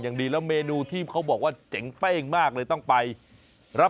อย่างดีแล้วเมนูที่เขาบอกว่าเจ๋งเป้งมากเลยต้องไปรับ